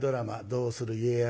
「どうする家康」